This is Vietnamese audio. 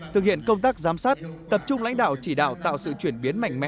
thực hiện công tác giám sát tập trung lãnh đạo chỉ đạo tạo sự chuyển biến mạnh mẽ